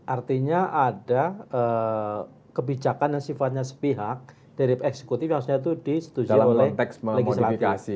artinya ada kebijakan yang sifatnya sepihak dari eksekutif yang harusnya itu disetujui oleh legislatif